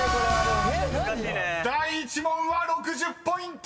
［第１問は６０ポイント！］